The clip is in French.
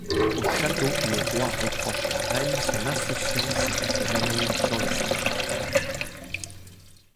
Au château, le roi reproche à la reine son insouciance et ses amours clandestines.